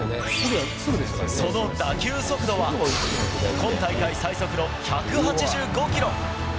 その打球速度は、今大会最速の１８５キロ。